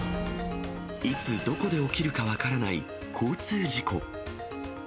いつどこで起きるか分からない交通事故。